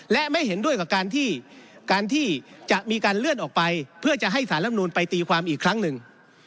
และไม่เห็นด้วยกับการที่การที่จะมีการเลื่อนออกไปเพื่อจะให้สารลำนูนไปตีความอีกครั้งหนึ่ง